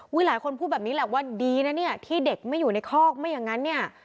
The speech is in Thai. หลายคนพูดแบบนี้แหละว่าดีนะเนี่ยที่เด็กไม่อยู่ในคอกไม่อย่างนั้นเนี่ย